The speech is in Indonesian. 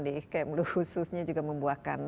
di ikm lu khususnya juga membuahkan